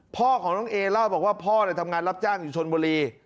พ่อของน้องเอเล่าบอกว่าพ่อทำงานรับจ้างอยู่ชนบุรี